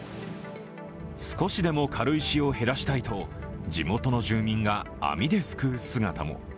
少しでも軽石を減らしたいと地元の住民が網ですくう姿も。